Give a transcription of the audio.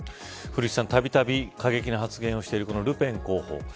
古市さん、たびたび過激な発言をしているルペン候補。